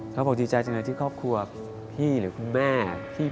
ครับผมดีใจจังเลยที่ครอบครัวพี่หรือคุณแม่